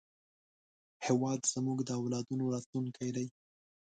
هېواد زموږ د اولادونو راتلونکی دی